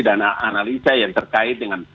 dan analisanya terkait dengan